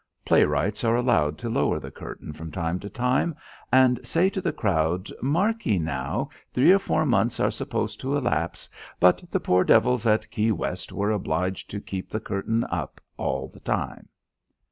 Play wrights are allowed to lower the curtain from time to time and say to the crowd: "Mark, ye, now! Three or four months are supposed to elapse. But the poor devils at Key West were obliged to keep the curtain up all the time."